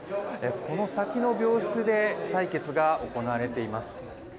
この先の病室で採血が行われています。